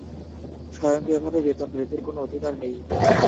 স্বয়ংক্রিয়ভাবে বেতন বৃদ্ধির কোনো অধিকার নেই।